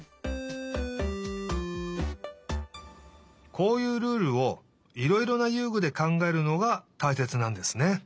こういうルールをいろいろな遊具でかんがえるのがたいせつなんですね。